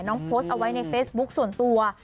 โพสต์เอาไว้ในเฟซบุ๊คส่วนตัว